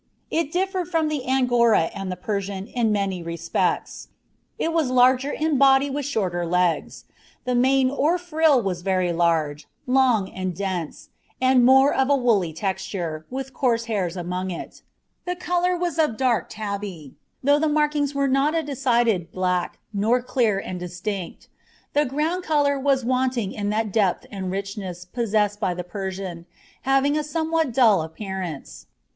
It differed from the Angora and the Persian in many respects. It was larger in the body with shorter legs. The mane or frill was very large, long, and dense, and more of a woolly texture, with coarse hairs among it; the colour was of dark tabby, though the markings were not a decided black, nor clear and distinct; the ground colour was wanting in that depth and richness possessed by the Persian, having a somewhat dull appearance.